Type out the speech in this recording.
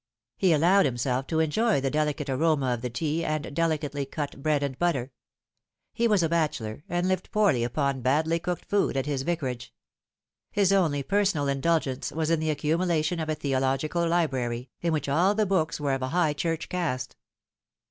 He allowed himself to enjoy the delicate aroma of the tea and the delicately cut bread arid butter. He was a bachelor, and lived poorly upon badly cooked food at his vicarage. His on)y personal indulgence was in the accumulation of a theological library, in which all the books were of a High Church cast.